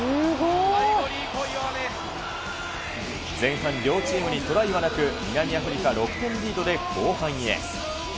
前半、両チームにトライはなく、南アフリカ６点リードで後半へ。